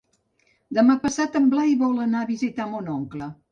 Demà passat en Blai vol anar a visitar mon oncle.